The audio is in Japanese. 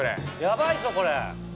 やばいぞこれ。